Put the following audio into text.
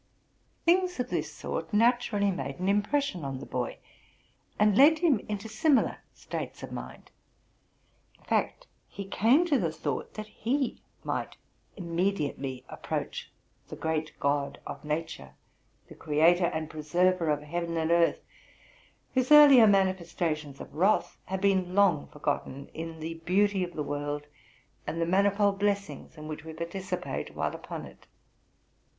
Things of this sort naturally made an impression on the RELATING TO MY LIFE. 3T boy, and led him into similar states of mind. In fact, he came to the thought that he might immediately approach the great God of nature, the Creator and Preserver of heaven and earth, whose earlier manifestations of wrath had been long forgotten in the beauty of the world, and the manifold blessings in which we participate while upon it.